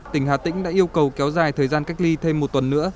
tỉnh hà tĩnh đã yêu cầu kéo dài thời gian cách ly thêm một tuần nữa